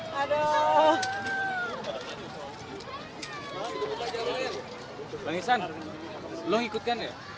pak makasih pak pak pengen dipotong